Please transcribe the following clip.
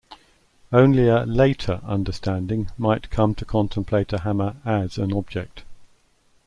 Only a "later" understanding might come to contemplate a hammer "as" an object.